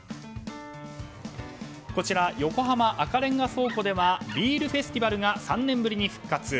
こちら横浜赤レンガ倉庫ではビールフェスティバルが３年ぶりに復活。